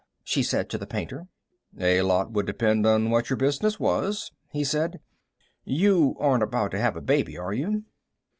she said to the painter. "A lot would depend on what your business was," he said. "You aren't about to have a baby, are you?"